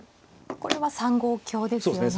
これは３五香ですよね。